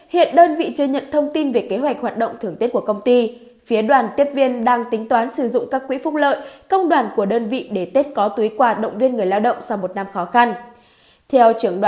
hiện đơn vị đang tập trung quan tâm đến việc làm và đề dụng